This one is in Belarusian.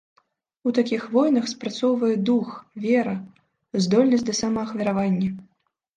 У такіх войнах спрацоўвае дух, вера, здольнасць да самаахвяравання.